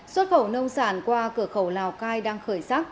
xuất khẩu nông sản qua cửa khẩu lào cai đang khởi sắc